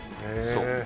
そう。